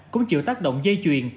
cũng chịu tác động dây chuyền